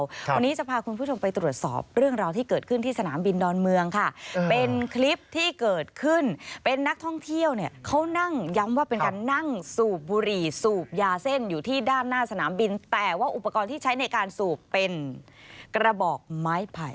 วันนี้จะพาคุณผู้ชมไปตรวจสอบเรื่องราวที่เกิดขึ้นที่สนามบินดอนเมืองค่ะเป็นคลิปที่เกิดขึ้นเป็นนักท่องเที่ยวเนี่ยเขานั่งย้ำว่าเป็นการนั่งสูบบุหรี่สูบยาเส้นอยู่ที่ด้านหน้าสนามบินแต่ว่าอุปกรณ์ที่ใช้ในการสูบเป็นกระบอกไม้ไผ่